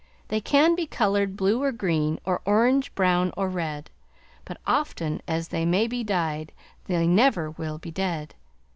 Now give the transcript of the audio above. They can be colored blue or green Or orange, brown, or red, But often as they may be dyed They never will be dead.'